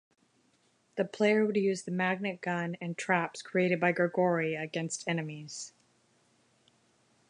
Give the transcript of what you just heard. The player would use the magnet gun and traps created by Grigori against enemies.